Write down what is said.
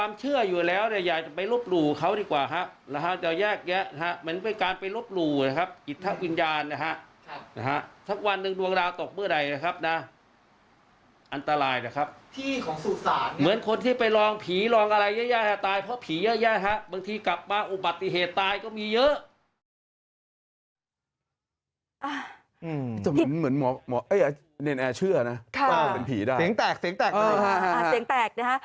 อาจจะเหมือนแนนแอร์เชื่อนะเป็นผีได้สีแตกสีแตกสีแตกนะฮะ